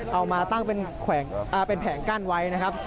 เอามาตั้งเป็นแผงกั้นไว้นะครับ